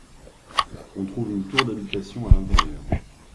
On trouve une tour d'habitation à l'intérieur.